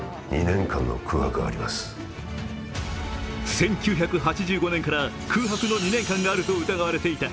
１９８５年から空白の２年間があると疑われていた。